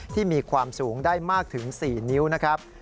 ที่มีความสูงได้มากถึง๔นิ้วนะครับ